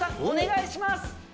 お願いします